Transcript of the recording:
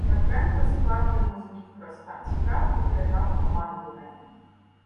Петренко склав йому звіт про стан справ і передав командування.